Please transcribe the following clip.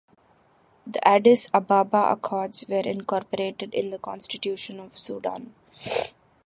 The Addis Ababa accords were incorporated in the Constitution of Sudan.